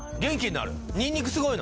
ニンニクすごいの？